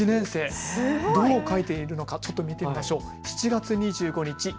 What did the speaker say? どう書いているのかちょっと見てみましょう。